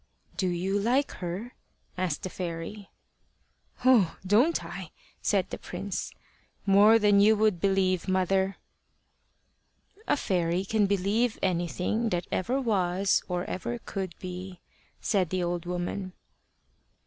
"Do you like her?" asked the fairy. "Oh! don't I?" said the prince. "More than you would believe, mother." "A fairy can believe anything that ever was or ever could be," said the old woman.